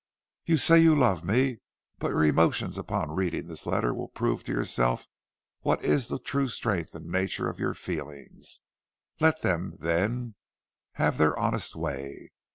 You say you love me, but your emotions upon reading this letter will prove to yourself what is the true strength and nature of your feelings. Let them, then, have their honest way.